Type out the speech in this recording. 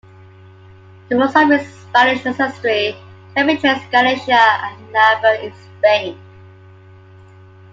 Most of his Spanish ancestry can be traced to Galicia and Navarre in Spain.